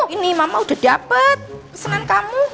ini mama udah dapet senang kamu